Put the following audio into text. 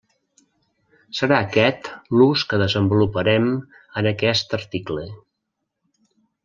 Serà aquest l'ús que desenvoluparem en aquest article.